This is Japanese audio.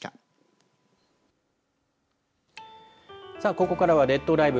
ここからは列島ＬＩＶＥ